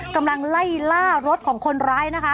กำลังไล่ล่ารถของคนร้ายนะคะ